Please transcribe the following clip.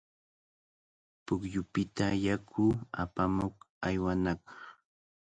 Pukyupita yaku apamuq aywanaq.